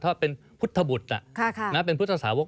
ถ้าเป็นพุทธบุตรเป็นพุทธสาวก